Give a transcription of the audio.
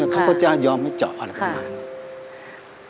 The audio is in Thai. เขาก็จะยอมให้เจาะอะไรประมาณนี้